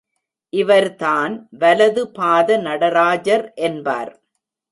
இவர்தான் வலது பாத நடராஜர் என்பார்.